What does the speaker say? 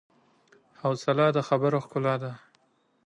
حوصله د خبرو ښکلا ده.